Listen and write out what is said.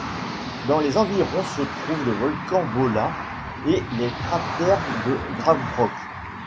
Dans les environs se trouvent le volcan Baula et les cratères de Grábrók.